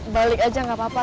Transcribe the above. balik aja gak apa apa